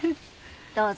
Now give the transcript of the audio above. どうぞ。